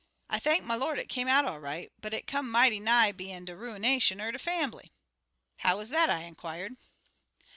"I thank my Lord it come out all right, but it come mighty nigh bein' de ruination er de fambly." "How was that?" I inquired.